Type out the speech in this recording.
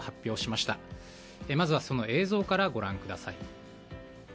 まずはその映像からご覧ください。